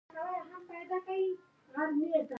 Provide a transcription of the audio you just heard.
یو ځای مو د عرب کلا پوښتنه وکړه.